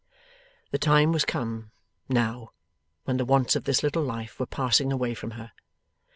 The time was come, now, when the wants of this little life were passing away from her.